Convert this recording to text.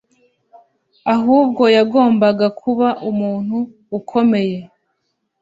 ahubwo yagombaga kuba umuntu ukomeye